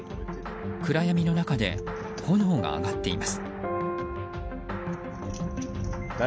暗闇の中で炎が上がっています。